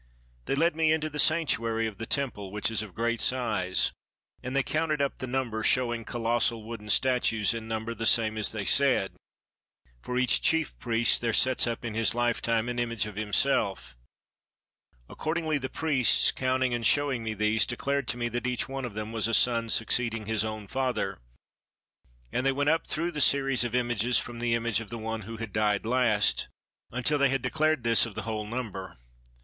They led me into the sanctuary of the temple, which is of great size, and they counted up the number, showing colossal wooden statues in number the same as they said; for each chief priest there sets up in his lifetime an image of himself: accordingly the priests, counting and showing me these, declared to me that each one of them was a son succeeding his own father, and they went up through the series of images from the image of the one who had died last, until they had declared this of the whole number.